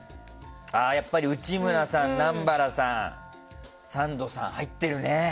やっぱり、内村さん、南原さんサンドさん、入ってるね。